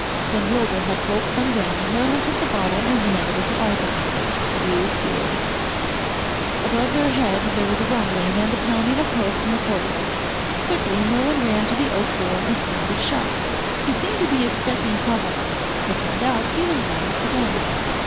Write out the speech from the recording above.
When Wilbur had gulped some down Merlin took the bottle and handed it to Arthur. "You too." Above their heads there was a rumbling and the pounding of hoofs in the courtyard. Quickly Merlin ran to the oak door and slammed it shut. He seemed to be expecting trouble. It turned out he was right again.